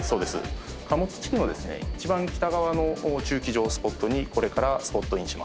貨物地区のですね一番北側の駐機場スポットにこれからスポットインします。